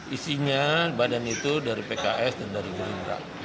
isinya badan itu dari pks dan dari gerindra